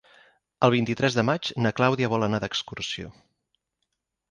El vint-i-tres de maig na Clàudia vol anar d'excursió.